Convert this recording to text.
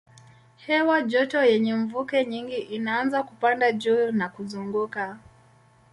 Hewa joto yenye mvuke nyingi inaanza kupanda juu na kuzunguka.